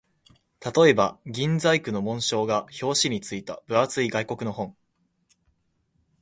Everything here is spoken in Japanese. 例えば、銀細工の紋章が表紙に付いた分厚い外国の本